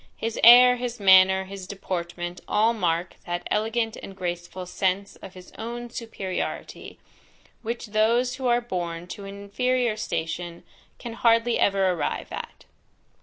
His air, his manner, his deportment all mark that elegant and graceful sense of his own superiority, which those who are born to an inferior station can hardly ever arrive at.